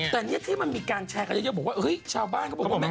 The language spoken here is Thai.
แต่เนี่ยที่มันมีการแชร์กันเยอะบอกว่าเฮ้ยชาวบ้านเขาบอกว่าแม่